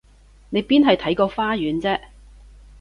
你邊係睇個花園啫？